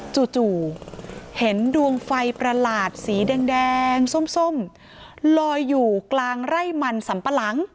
จู่เห็นดวงไฟประหลาดสีแดงส้มลอยอยู่กลางไร่มันสัมปะหลัง